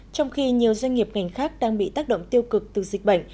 trong khi nhiều doanh nghiệp ngành khác đang bị tác động tiêu cực từ dịch bệnh